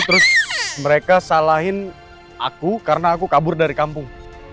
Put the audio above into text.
terus mereka salahin aku karena aku kabur dari kampung